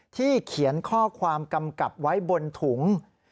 เขียนข้อความกำกับไว้บนถุง